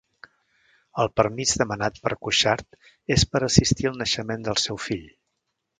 El permís demanat per Cuixart és per assistir al naixement del seu fill